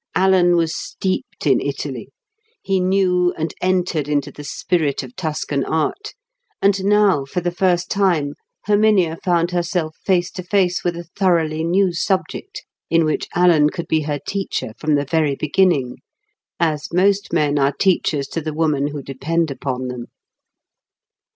Alan was steeped in Italy; he knew and entered into the spirit of Tuscan art; and now for the first time Herminia found herself face to face with a thoroughly new subject in which Alan could be her teacher from the very beginning, as most men are teachers to the women who depend upon them.